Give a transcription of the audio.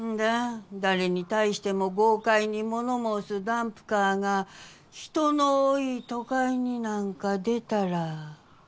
誰に対しても豪快に物申すダンプカーが人の多い都会になんか出たら。